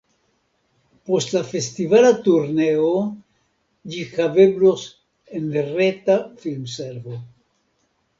Post la festivala turneo ĝi haveblos en reta filmservo.